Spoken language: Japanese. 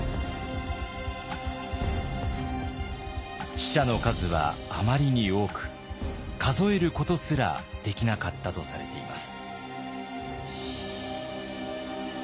死者の数はあまりに多く数えることすらできなかったとされています。